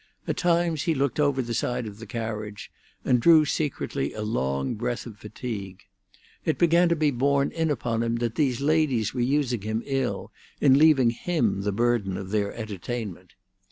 At times he looked over the side of the carriage, and drew secretly a long breath of fatigue. It began to be borne in upon him that these ladies were using him ill in leaving him the burden of their entertainment.